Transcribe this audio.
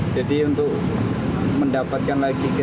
jadi untuk mendapatkan lagi gaji ke empat belas